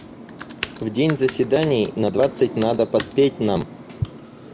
В день заседаний на двадцать надо поспеть нам.